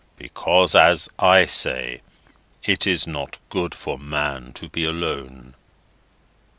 Because, as I say, it is not good for man to be alone."